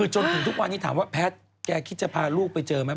จนถึงทุกวันนี้ถามว่าแพทย์แกคิดจะพาลูกไปเจอไหม